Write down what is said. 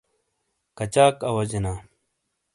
کچاک اوجینا؟